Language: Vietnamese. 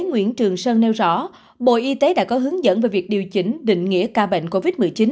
nguyễn trường sơn nêu rõ bộ y tế đã có hướng dẫn về việc điều chỉnh định nghĩa ca bệnh covid một mươi chín